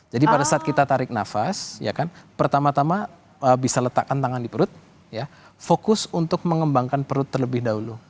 jadi pada saat kita tarik nafas ya kan pertama tama bisa letakkan tangan di perut ya fokus untuk mengembangkan perut terlebih dahulu